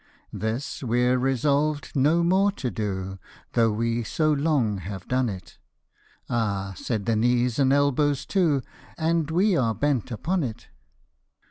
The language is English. " This we're resolv'd no more to do, Though we so long have done it ;"" Ah !" said the knees and elbows too, " And we are bent upon it."